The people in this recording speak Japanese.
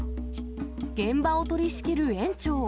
現場を取り仕切る園長。